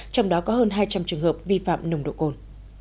trong đó có hơn hai trăm linh trường hợp vi phạm nồng độ cồn